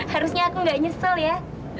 harusnya aku gak nyesel ya